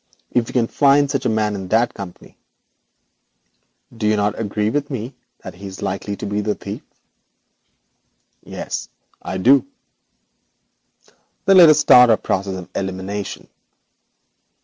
If we can find such a man in that company, do you not agree with me that he is likely to be the thief?' 'Yes, I do.' 'Then let us start our process of elimination.